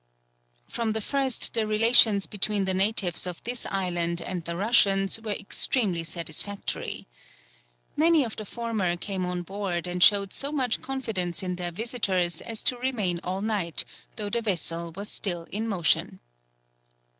From the first the relations between the natives of this island and the Russians were extremely satisfactory. Many of the former came on board, and showed so much confidence in their visitors as to remain all night, though the vessel was still in motion.